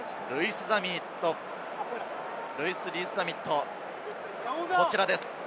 リース＝ザミット、こちらです。